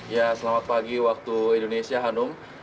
ya selamat pagi waktu indonesia hanum